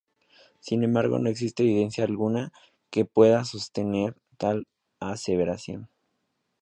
Sin embargo no existe evidencia alguna que pueda sostener tal aseveración.